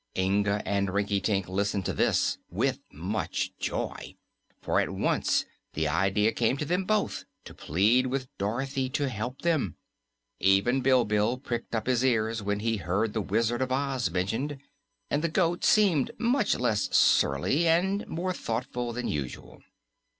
Inga and Rinkitink listened to this with much joy, for at once the idea came to them both to plead with Dorothy to help them. Even Bilbil pricked up his ears when he heard the Wizard of Oz mentioned, and the goat seemed much less surly, and more thoughtful than usual.